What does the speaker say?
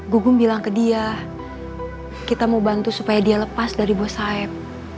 gugum bilang ke dia kita mau bantu supaya dia lepas dari bos sayap